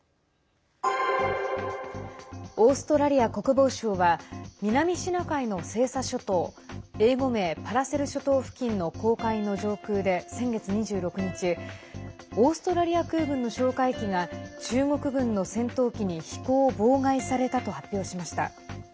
オーストラリア国防省は南シナ海の西沙諸島英語名、パラセル諸島付近の公海の上空で先月２６日オーストラリア空軍の哨戒機が中国軍の戦闘機に飛行を妨害されたと発表しました。